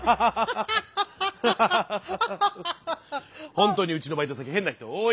ほんとにうちのバイト先変な人多い。